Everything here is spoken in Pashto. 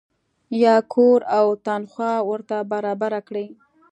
یا کور او تنخوا ورته برابره کړي.